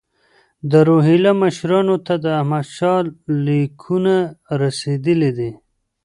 د روهیله مشرانو ته د احمدشاه لیکونه رسېدلي دي.